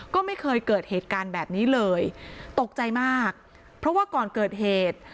ก็ไม่เคยเกิดเหตุการณ์แบบนี้เลยตกใจมากเพราะว่าก่อนเกิดเหตุ